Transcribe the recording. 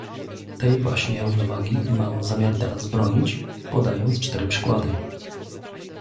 Tej właśnie równowagi mam zamiar teraz bronić, podając cztery przykłady